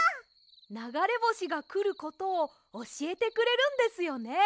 ながれぼしがくることをおしえてくれるんですよね。